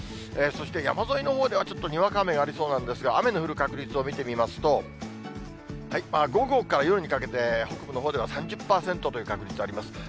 そして山沿いのほうではちょっとにわか雨がありそうなんですが、雨の降る確率を見てみますと、午後から夜にかけて、北部のほうでは３０％という確率あります。